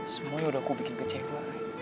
semuanya udah aku bikin kecewa